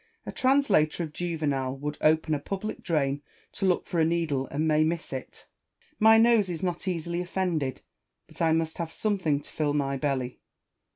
A trans lator of Juvenal would open a public drain to look for a needle, and may miss it. My nose is not easily offended ; but I must have something to fill my belly.